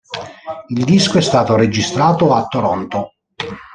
Il disco è stato registrato a Toronto.